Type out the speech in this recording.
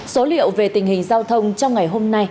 số liệu về tình hình giao thông trong ngày hôm nay